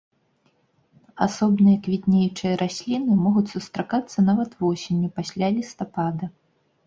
Асобныя квітнеючыя расліны могуць сустракацца нават восенню, пасля лістапада.